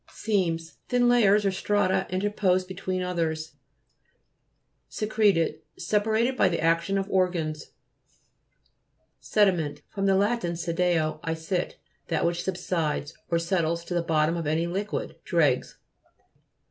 SEAMS Thin layers or strata inter posed between others. SECONDARY FORMATION (p. 36). SECRETED Separated by the action of organs. SE'DIMENT fr. lat. sedeo, I sit, that which subsides, or settles to the bottom of any liquid ; dregs.